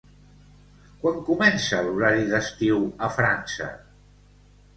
Quan comença l'horari d'estiu a França?